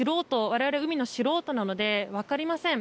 我々は海の素人なので分かりません。